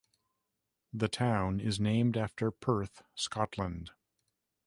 The town is named after Perth, Scotland.